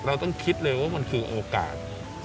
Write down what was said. เราต้องคิดเลยว่ามันคือโอกาส